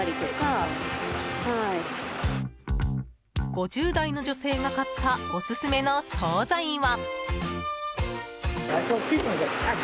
５０代の女性が買ったオススメの総菜は。